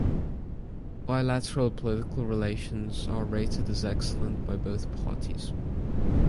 Bilateral political relations are rated as excellent by both parties.